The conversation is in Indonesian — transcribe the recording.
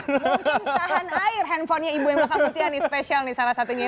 mungkin tahan air handphonenya ibu mbak mbak mutia ini spesial nih salah satunya